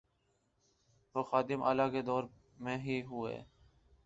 وہ خادم اعلی کے دور میں ہی ہوئے۔